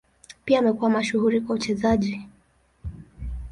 Pia amekuwa mashuhuri kwa uchezaji.